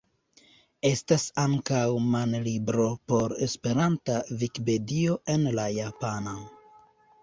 Estas ankaŭ manlibro por Esperanta Vikipedio en la japana.